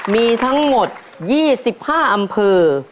มีทั้งหมด๒๕อำเภอ